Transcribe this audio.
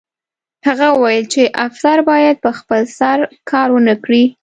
هغه وویل چې افسر باید په خپل سر کار ونه کړي